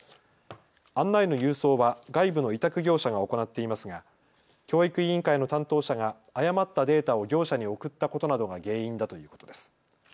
案内の郵送は外部の委託業者が行っていますが教育委員会の担当者が誤ったデータを業者に送ったことなどが原因だということです。